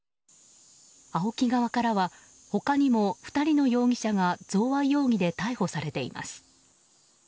ＡＯＫＩ側からは他にも２人の容疑者が贈賄容疑で逮捕されています。